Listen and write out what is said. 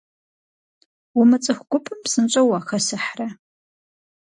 Умыцӏыху гупым псынщӏэу уахэсыхьрэ?